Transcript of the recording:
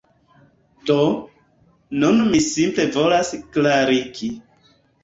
Do, nun mi simple volas klarigi